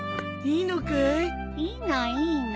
いいのいいの。